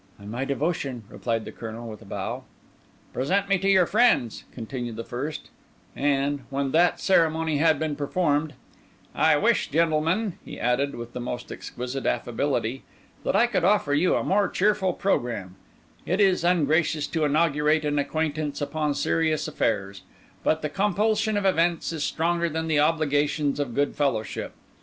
"On my devotion," replied the Colonel, with a bow. "Present me to your friends," continued the first; and, when that ceremony had been performed, "I wish, gentlemen," he added, with the most exquisite affability, "that I could offer you a more cheerful programme; it is ungracious to inaugurate an acquaintance upon serious affairs; but the compulsion of events is stronger than the obligations of good fellowship.